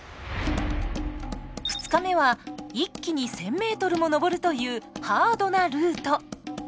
２日目は一気に１，０００ｍも登るというハードなルート。